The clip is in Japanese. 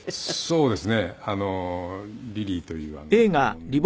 そうです。